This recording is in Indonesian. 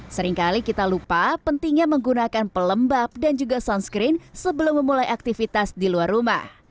seringkali kita lupa pentingnya menggunakan pelembab dan juga sunscreen sebelum memulai aktivitas di luar rumah